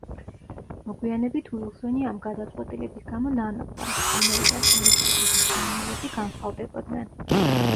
მოგვიანებით უილსონი ამ გადაწყვეტილების გამო ნანობდა, ვინაიდან ორი ჯგუფის მსმენელები განსხვავდებოდნენ.